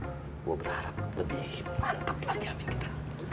gue berharap lebih mantep lagi amin kita